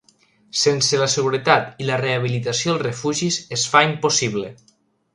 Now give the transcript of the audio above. Sense la seguretat i la rehabilitació dels refugis es fa impossible.